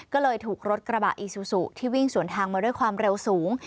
ก็เลยถูกรถกระบะอีซูซูที่วิ่งสวนทางมาด้วยความเร็วสูง